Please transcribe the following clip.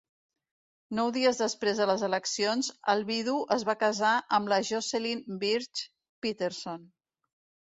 Nous dies després de les eleccions, el vidu es va casar amb la Jocelyn Birch Peterson.